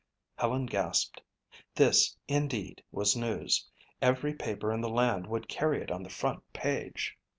Helen gasped. This, indeed, was news. Every paper in the land would carry it on the front page.